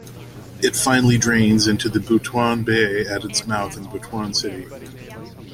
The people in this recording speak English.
It finally drains into the Butuan Bay at its mouth in Butuan City.